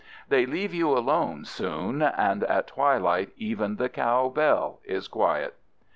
They leave you alone soon, and at twilight even the cow bell is quiet.